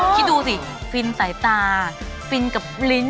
คิดดูสิฟินสายตาฟินกับลิ้น